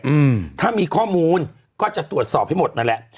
อืมถ้ามีข้อมูลก็จะตรวจสอบให้หมดนั่นแหละ